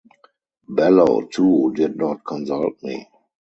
Bello too did not consult me.